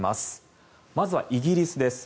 まずはイギリスです。